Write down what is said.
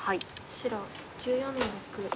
白１４の六。